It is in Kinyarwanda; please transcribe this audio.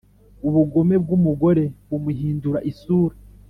Ubugome bw’umugore bumuhindura isura,